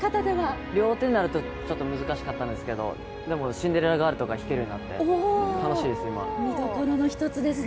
両手になるとちょっと難しかったんですけどでも「シンデレラガール」とか弾けるようになって見どころの一つですね。